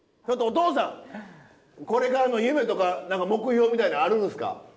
ちょっとお父さんこれからの夢とか何か目標みたいなのあるんですか？